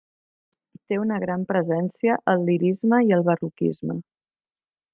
Té una gran presència el lirisme i el barroquisme.